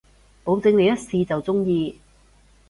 保證你一試就中意